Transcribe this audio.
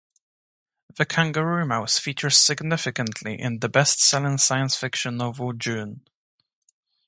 The kangaroo mouse features significantly in the best-selling science fiction novel Dune.